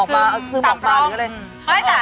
แต่อันนี้คิดว่า